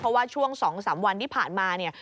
เพราะว่าช่วง๒๓วันที่ผ่านมาเนี่ย